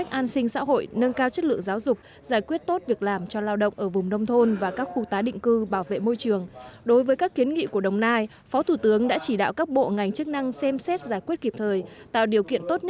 thời gian giải quyết thủ tục được cắt giảm tối đa từ hai mươi đến ba mươi so với quy định